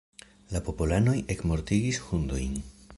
La popolanoj ekmortigis hundojn.